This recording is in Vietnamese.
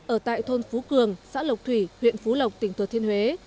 ở tại thôn phú cường xã lộc thủy huyện phú lộc tỉnh thừa thiên huế